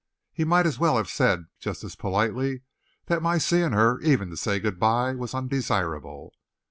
He might as well have said, just as politely, that my seeing her, even to say good by, was undesirable.